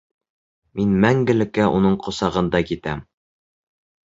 Мин мәңгелеккә уның ҡосағында китәм.